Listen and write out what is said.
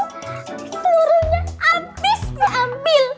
telurnya abis diambil